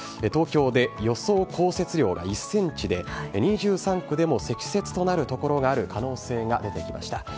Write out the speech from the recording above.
東京で予想降雪量が１センチで、２３区でも積雪となる所がある可能性が出てきました。